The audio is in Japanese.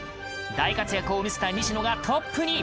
大活躍を見せた西野がトップに！